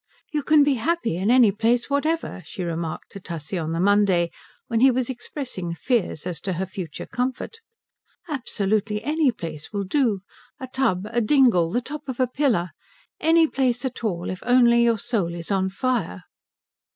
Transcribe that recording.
"You can be happy in any place whatever," she remarked to Tussie on the Monday, when he was expressing fears as to her future comfort; "absolutely any place will do a tub, a dingle, the top of a pillar any place at all, if only your soul is on fire."